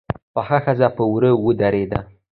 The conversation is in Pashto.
پخه ښځه په وره ودرېده.